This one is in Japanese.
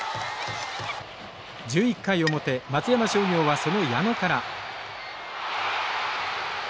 １１回表松山商業はその矢野から。